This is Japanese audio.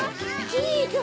チーズ。